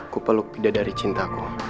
ku peluk pida dari cintaku